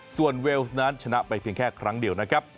ส่วนเวลส์นั้นชนะไปเพียงแค่ครั้งเดียวนะครับ